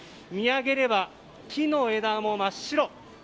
見上げれば木の枝も真っ白。